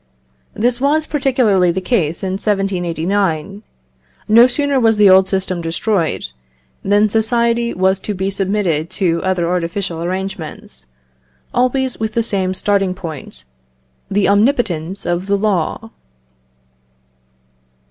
This was particularly the case in 1789. No sooner was the old system destroyed, than society was to be submitted to other artificial arrangements, always with the same starting point the omnipotence of the law.